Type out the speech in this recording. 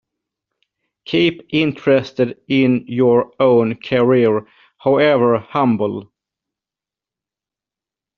Keep interested in your own career, however humble